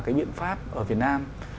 cái biện pháp ở việt nam